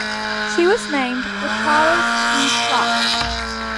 She was named for Charles E. Clark.